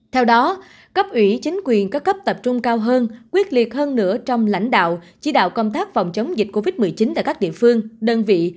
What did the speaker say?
theo đó cấp ủy chính quyền các cấp tập trung cao hơn quyết liệt hơn nữa trong lãnh đạo chỉ đạo công tác phòng chống dịch covid một mươi chín tại các địa phương đơn vị